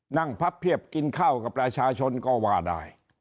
พับเพียบกินข้าวกับประชาชนก็ว่าได้